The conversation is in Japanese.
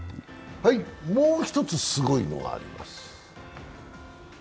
もう一つすごいのがあります。